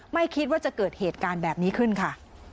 ไม่คิดว่าจะเกิดเหตุการณ์แบบนี้ขึ้นค่ะ